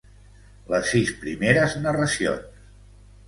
Les sis primeres narracions.